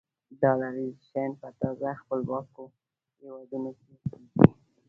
ډالرایزیشن په تازه خپلواکو هېوادونو کې کېږي.